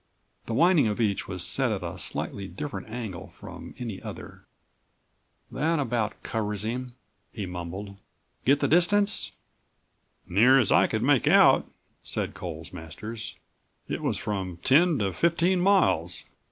The winding of each was set at a slightly different angle from any other. "That about covers him," he mumbled. "Get the distance?" "Near as I could make out," said Coles Masters, "it was from ten to fifteen miles.